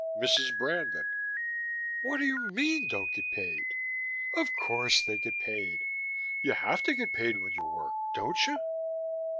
MRS. BRANDON: What do you mean, don't get paid? Of course they get paid. You have to get paid when you work, don't you?